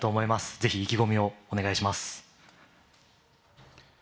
ぜひ、意気込みをお願いします。